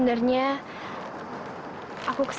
ini ternyata apa ya